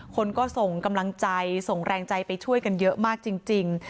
คนก็ส่งกำลังใจส่งแรงใจไปช่วยกันเยอะมากจริง